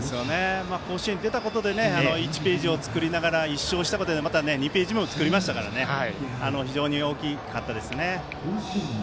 甲子園に出たことで１ページを作りながら１勝したことで２ページ目も作りましたから非常に大きかったですね。